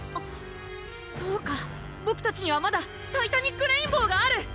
そうかボクたちにはまだタイタニック・レインボーがある！